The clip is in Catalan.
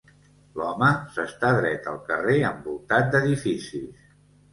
L'home s'està dret al carrer envoltat d'edificis.